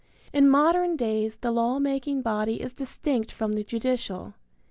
In modern days the law making body is distinct from the judicial.